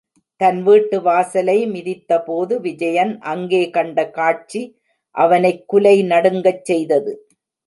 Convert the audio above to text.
தன் வீட்டு வாசலை மிதித்தபோது விஜயன் அங்கே கண்ட காட்சி அவனை குலை நடுங்கச் செய்தது.